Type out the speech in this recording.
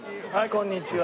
こんにちは。